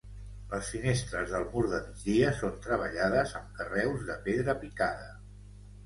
Les finestres del mur de migdia són treballades amb carreus de pedra picada.